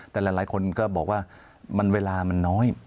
แต่หลายคนก็บอกว่าเวลามันน้อย